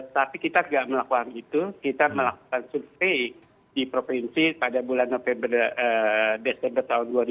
tapi kita tidak melakukan itu kita melakukan survei di provinsi pada bulan november desember tahun dua ribu dua puluh